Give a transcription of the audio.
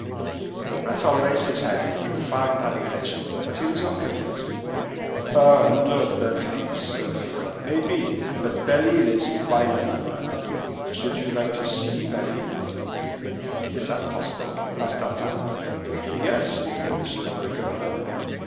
The Breton raised his head in profound admiration, but he was not convinced. "A hundred belfries! Ah, that may be; but Belle Isle is finer than that. Should you like to see Belle Isle?" "Is that possible?" asked D'Artagnan. "Yes, with permission of the governor."